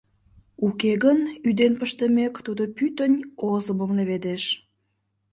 Уке гын, ӱден пыштымек, тудо пӱтынь озымым леведеш.